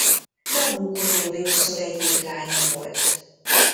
Nabú-kudurri-uszur egyik lánya volt.